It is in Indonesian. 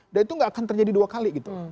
dan itu tidak akan terjadi dua kali gitu